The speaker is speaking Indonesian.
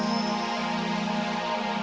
oh my god nanti nge end maku kebun bunan muntas sih